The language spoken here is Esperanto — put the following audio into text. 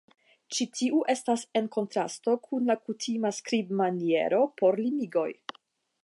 Ĉi tiu estas en kontrasto kun la kutima skribmaniero por limigoj.